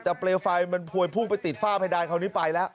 แต่เปลวไฟมันพวยพุ่งไปติดฝ้าเพดานคราวนี้ไปแล้ว